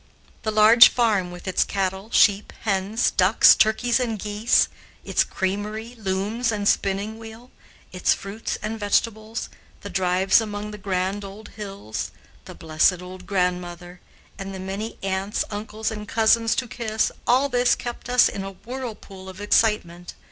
The large farm with its cattle, sheep, hens, ducks, turkeys, and geese; its creamery, looms, and spinning wheel; its fruits and vegetables; the drives among the grand old hills; the blessed old grandmother, and the many aunts, uncles, and cousins to kiss, all this kept us still in a whirlpool of excitement.